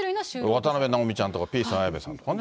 渡辺直美ちゃんとかピースの綾部さんとかね。